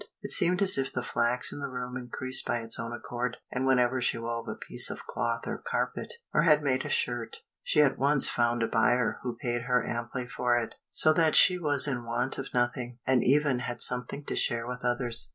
It seemed as if the flax in the room increased of its own accord, and whenever she wove a piece of cloth or carpet, or had made a shirt, she at once found a buyer who paid her amply for it, so that she was in want of nothing, and even had something to share with others.